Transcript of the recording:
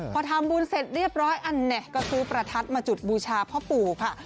พอทำบุญเสร็จเรียบร้อยอันนี้ก็ซื้อประทัดมาจุดบูชาพ่อปู่ค่ะ